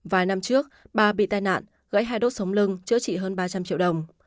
vài năm trước bà bị tai nạn gãy hai đốt sóng lưng chữa trị hơn ba trăm linh triệu đồng